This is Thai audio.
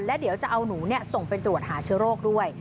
แล้วเดี๋ยวจะเอาหนูส่งไปตรวจหาเชื้อโรคด้วย